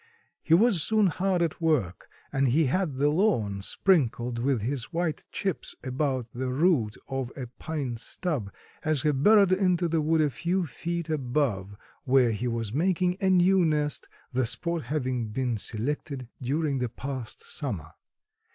He was soon hard at work and had the lawn sprinkled with his white chips about the root of a pine stub, as he burrowed into the wood a few feet above, where he was making a new nest, the spot having been selected during the past summer.